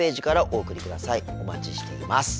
お待ちしています。